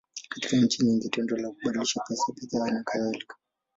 Katika nchi nyingi, tendo la kubadilishana pesa, bidhaa, nakadhalika.